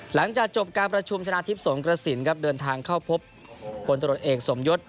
หลังจากจบการประชุมชนะทิพย์สงกระสินครับเดินทางเข้าพบพลตรวจเอกสมยศ